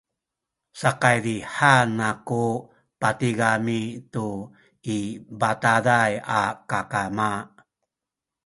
sakaydihan kaku patigami tu i bataday a kakama